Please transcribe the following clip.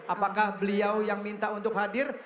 apakah beliau yang minta untuk hadir